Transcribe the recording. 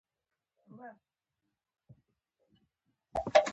احمد او محمود په وړو خبرو لانجه وکړه. هسې یې پۍ سره تروې کړلې.